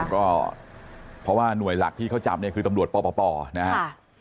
ก็เพราะว่าหน่วยหลักที่เขาจับเนี่ยคือตำรวจปปนะครับ